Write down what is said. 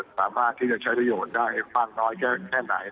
สามารถที่จะใช้ประโยชน์ได้มากน้อยแค่ไหน